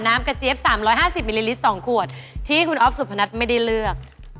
น้ำกระเจี๊ยบ๓๕๐มิลลิลิตร๒ขวดที่คุณอ๊อฟสุพนัทไม่ได้เลือก